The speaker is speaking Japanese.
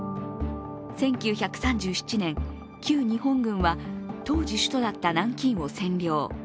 １９３７年、旧日本軍は当時首都だった南京を占領。